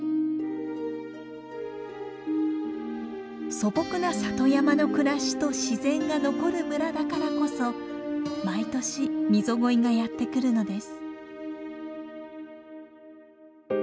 素朴な里山の暮らしと自然が残る村だからこそ毎年ミゾゴイがやって来るのです。